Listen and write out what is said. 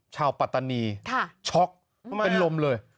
ชาวปัตตณีค่ะช็อกวิมามันลมเลย